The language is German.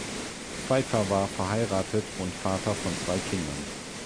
Pfeifer war verheiratet und Vater von zwei Kindern.